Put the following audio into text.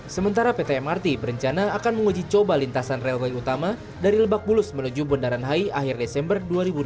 sementara pt mrt berencana akan menguji coba lintasan railway utama dari lebak bulus menuju bundaran hi akhir desember dua ribu dua puluh